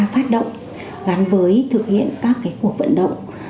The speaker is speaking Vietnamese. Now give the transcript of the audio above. phát động gắn với thực hiện các cuộc vận động